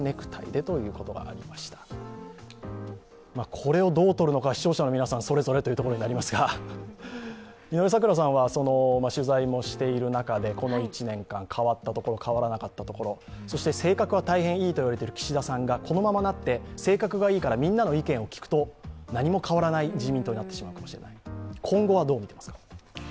これをどうとるのか視聴者の皆さんそれぞれというところになりますが取材もしている中でこの１年間、変わったところ、変わらなかったところそして性格は大変いいといわれている岸田さんがこのままなって、性格がいいからみんなの意見を聞くと何も変わらない自民党になってしまうかもしれない。